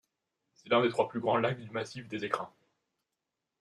C'est l'un des trois plus grands lacs du massif des Écrins.